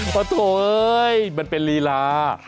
โถเอ้ยมันเป็นลีลา